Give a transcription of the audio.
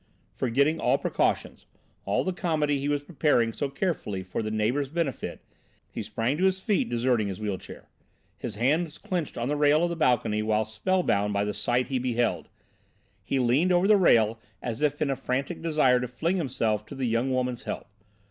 Forgetting all precautions, all the comedy he was preparing so carefully for the neighbour's benefit, he sprang to his feet, deserting his wheel chair. His hands clenched on the rail of the balcony while spellbound by the sight he beheld, he leaned over the rail as if in a frantic desire to fling himself to the young woman's help.